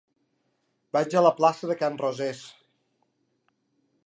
Vaig a la plaça de Can Rosés.